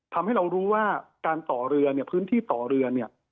ทำให้เรารู้ว่าการต่อเรือเนี่ยพื้นที่ต่อเรือเนี่ย